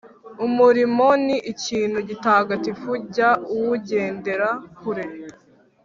Umurimo ni ikintu gitagatifu jya uwugendera kure.